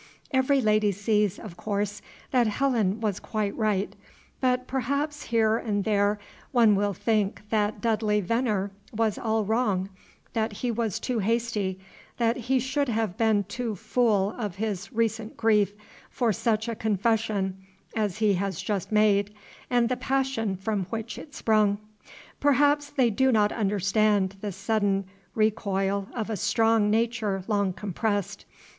Every lady sees, of course, that Helen was quite right; but perhaps here and there one will think that Dudley Venner was all wrong, that he was too hasty, that he should have been too full of his recent grief for such a confession as he has just made, and the passion from which it sprung. Perhaps they do not understand the sudden recoil of a strong nature long compressed.